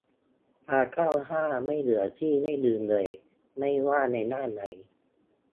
ความก้าวหน้าไม่เหลือที่ให้ยืนเลย ไม่ว่าในด้านไหน